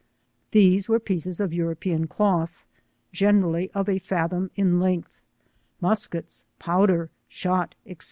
These were pieces of European cloth, generally of a fathom in length, muskets, powder, shot, 6cc.